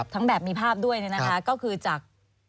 ทั้งแบบมีภาพด้วยนะคะก็คือจาก